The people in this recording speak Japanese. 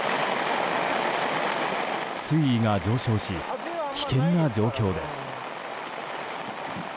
水位が上昇し、危険な状況です。